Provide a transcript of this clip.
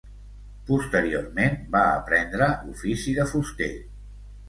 Posteriorment, va aprendre l'ofici de fuster.